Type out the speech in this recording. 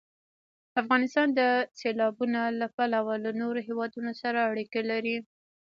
افغانستان د سیلابونه له پلوه له نورو هېوادونو سره اړیکې لري.